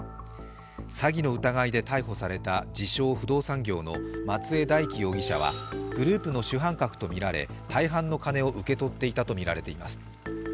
詐欺の疑いで逮捕された自称不動産業の松江大樹容疑者は、グループの主犯格とみられ、大半の金を受け取っていたとみられています。